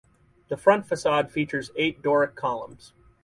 The front facade features eight Doric columns.